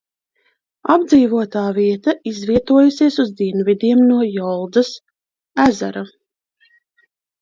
Apdzīvotā vieta izvietojusies uz dienvidiem no Jolzas ezera.